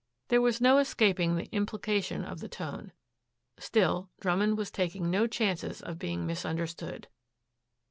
There was no escaping the implication of the tone. Still Drummond was taking no chances of being misunderstood.